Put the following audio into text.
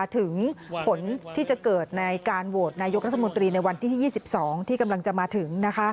ถึงผลที่จะเกิดในการโหวตนายกรัฐมนตรีในวันที่๒๒ที่กำลังจะมาถึง